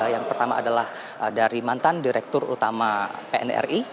yang pertama adalah dari mantan direktur utama pnri